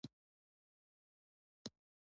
په یوه نسواري رنګه سطل کې د یخې راوړلو امر هم وکړم.